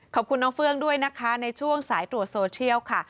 ขอบคุณน้องเฟื่องด้วยนะคะในช่วงสายตรวจโซเชียลค่ะ